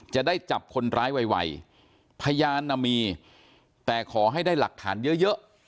จะได้จับคนร้ายไวพยานน่ะมีแต่ขอให้ได้หลักฐานเยอะเยอะ